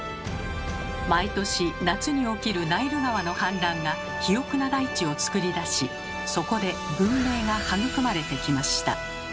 毎年夏に起きるナイル川の氾濫が肥沃な大地をつくり出しそこで文明が育まれてきました。